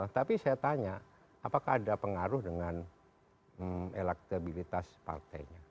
tapi saya tanya apakah ada pengaruh dengan elektabilitas partainya